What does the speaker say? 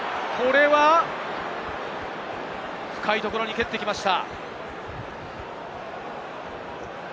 深いところに蹴ってきました。